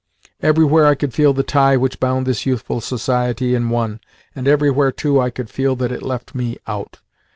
Everywhere I could feel the tie which bound this youthful society in one, and everywhere, too, I could feel that it left me out.